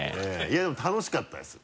いやでも楽しかったです。